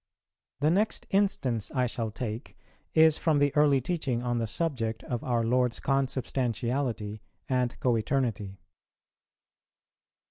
_ The next instance I shall take is from the early teaching on the subject of our Lord's Consubstantiality and Co eternity.